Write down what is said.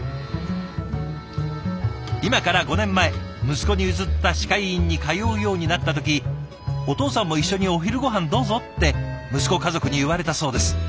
今から５年前息子に譲った歯科医院に通うようになった時「お父さんも一緒にお昼ごはんどうぞ」って息子家族に言われたそうです。